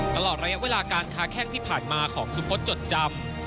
ตลอดระยะเวลาการค้าแข้งที่ผ่านมาของสุพธจดจำ